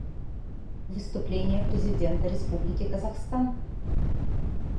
Выступление президента Республики Казахстан.